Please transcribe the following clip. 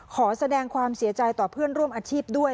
ขอแสดงความเสียใจต่อเพื่อนร่วมอาชีพด้วย